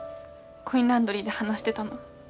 コインランドリーで話してたの。